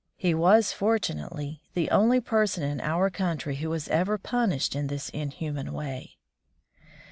He was, fortunately, the only person in our country who was ever punished in this inhuman way.